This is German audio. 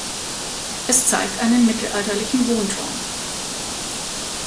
Es zeigt einen mittelalterlichen Wohnturm.